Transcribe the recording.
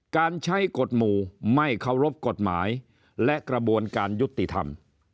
การใช้กฎหมู่ไม่เคารพกฎหมายและกระบวนการยุติธรรม